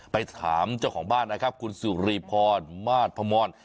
ไปถามเจ้าของบ้านนะครับคุณสุรีพรมาสพมร